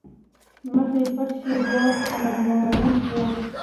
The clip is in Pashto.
مخ يې پټ شي بيا امرالمومنين شي